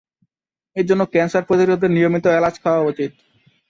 এ জন্য ক্যান্সার প্রতিরোধে নিয়মিত এলাচ খাওয়া উচিত।